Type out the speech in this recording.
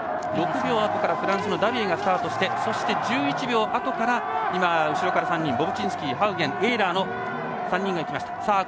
６秒あとからフランスのダビエがスタートして１１秒あとから後ろから３人、ボブチンスキーハウゲン、エーラーの３人がスタートしました。